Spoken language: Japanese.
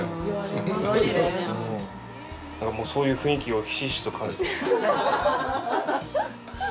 そういう雰囲気をひしひしと感じる。